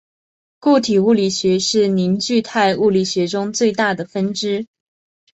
固体物理学是凝聚态物理学中最大的分支。